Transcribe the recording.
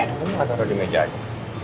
eh dulu gak taruh di meja aja